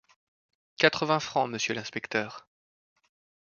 Quatre-vingts francs, monsieur l’inspecteur.